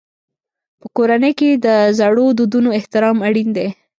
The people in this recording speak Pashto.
په کورنۍ کې د زړو دودونو احترام اړین دی.